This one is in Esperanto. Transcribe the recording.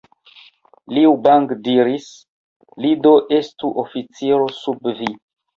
Liu Bang diris, Li do estu oficiro sub vi.